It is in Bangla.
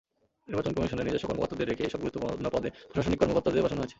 নির্বাচন কমিশনের নিজস্ব কর্মকর্তাদের রেখেই এসব গুরুত্বপূর্ণ পদে প্রশাসনিক কর্মকর্তাদের বসানো হয়েছে।